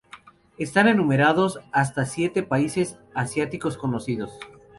Están enumerados hasta siete países asiáticos conocidos.